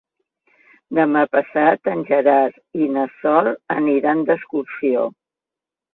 Demà passat en Gerard i na Sol aniran d'excursió.